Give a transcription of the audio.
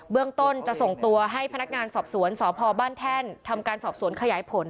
เรื่องต้นจะส่งตัวให้พนักงานสอบสวนสพบ้านแท่นทำการสอบสวนขยายผล